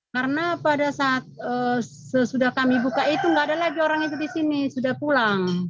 karena pada saat sesudah kami buka itu nggak ada lagi orang itu di sini sudah pulang